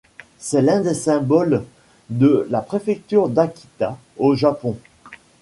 C'est l'un des symboles de la préfecture d'Akita, au Japon.